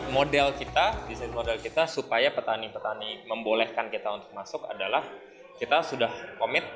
model kita bisnis model kita supaya petani petani membolehkan kita untuk masuk adalah kita sudah komit